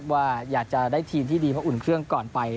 ว่าอยากจะได้ทีมที่ดีเพราะอุ่นเครื่องก่อนไป